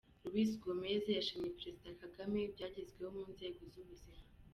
Luis Gomes yashimye Perezida Kagame ibyagezweho mu nzego z’ubuzima.